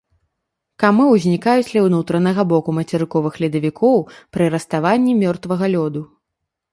Камы ўзнікаюць ля ўнутранага боку мацерыковых ледавікоў пры раставанні мёртвага лёду.